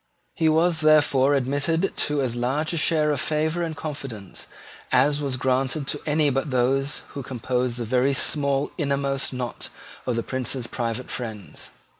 He was therefore admitted to as large a share of favour and confidence as was granted to any but those who composed the very small inmost knot of the Prince's private friends.